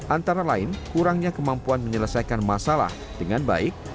antara lain kurangnya kemampuan menyelesaikan masalah dengan baik